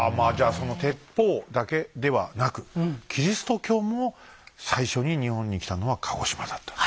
その鉄砲だけではなくキリスト教も最初に日本に来たのは鹿児島だったと。